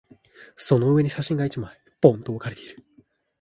その上に写真が一枚、ぽんと置かれている。